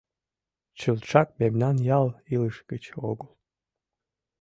— Чылтшак мемнан ял илыш гыч огыл.